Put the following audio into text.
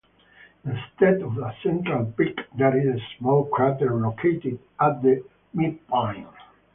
Instead of a central peak, there is a small crater located at the midpoint.